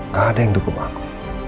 gak ada yang dukung aku